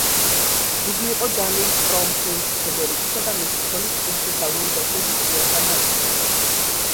იგი იყო დანიის კრონპრინც ფრედერიკისა და მისი ცოლის, პრინცესა ლუიზა შვედის შუათანა ასული.